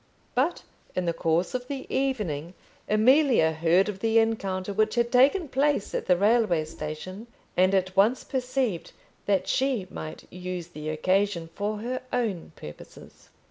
But, in the course of the evening, Amelia heard of the encounter which had taken place at the railway station, and at once perceived that she might use the occasion for her own purposes.